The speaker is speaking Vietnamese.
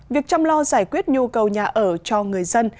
việc chăm lo giải quyết nhu cầu nhà ở cho người dân